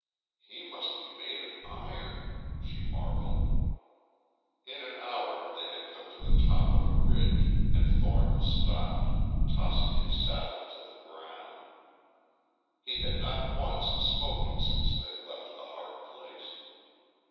"He must be made of iron," she marvelled. In an hour they had come to the top of a ridge, and Thornton stopped, tossing his saddle to the ground. He had not once spoken since they left the Harte place.